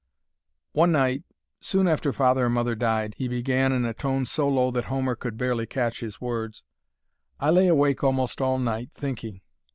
"One night, soon after father and mother died," he began, in a tone so low that Homer could barely catch his words, "I lay awake almost all night, thinking.